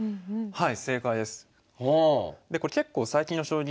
はい。